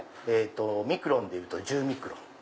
ミクロンでいうと１０ミクロン。